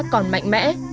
còn mạnh mẽ